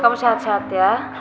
kamu sehat sehat ya